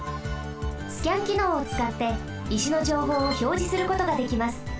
スキャンきのうをつかって石のじょうほうをひょうじすることができます。